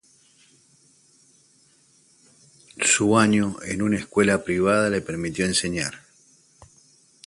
Su año en una escuela privada le permitió enseñar.